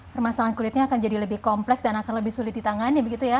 permasalahan kulitnya akan jadi lebih kompleks dan akan lebih sulit ditangani begitu ya